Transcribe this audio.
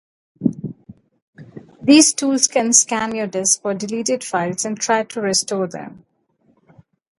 These tools can scan your disk for deleted files and try to restore them.